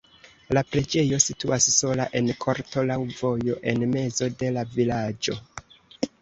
La preĝejo situas sola en korto laŭ vojo en mezo de la vilaĝo.